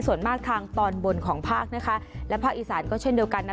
ส่วนมากทางตอนบนของภาคนะคะและภาคอีสานก็เช่นเดียวกันนะ